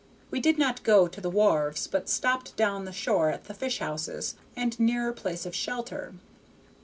We did not go to the wharves, but stopped down the shore at the fish houses, the nearer place of shelter.